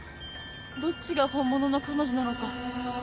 どっちが本物の彼女なのか